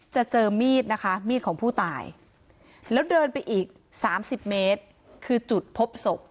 จะเจอมีดนะคะมีดของผู้ตายแล้วเดินไปอีก๓๐เมตรคือจุดพบศพ